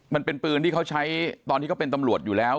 มันเป็นปืนที่เขาใช้ตอนที่เขาเป็นตำรวจอยู่แล้ว